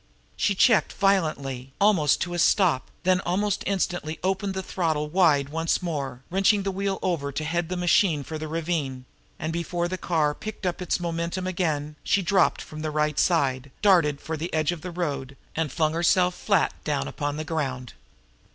She checked violently, almost to a stop, then instantly opened the throttle wide once more, wrenching the wheel over to head the machine for the ravine; and before the car picked up its momentum again, she dropped from the right hand side, darted to the far edge of the road, and flung herself flat down upon the ground.